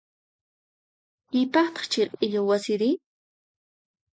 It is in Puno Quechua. Piqpataq chay q'illu wasiri?